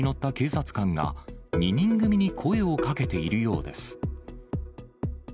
バイクに乗った警察官が、２人組に声をかけているようです。